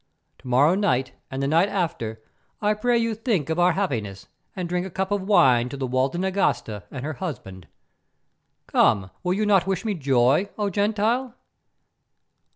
To morrow night and the night after, I pray you think of our happiness and drink a cup of wine to the Walda Nagasta and her husband. Come, will you not wish me joy, O Gentile?"